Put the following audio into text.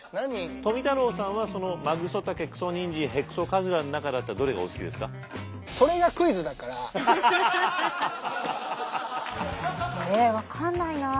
富太郎さんはそのマグソタケクソニンジンヘクソカズラの中だったらえ分かんないな。